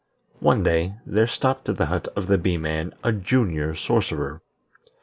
One day, there stopped at the hut of the Bee man a Junior Sorcerer.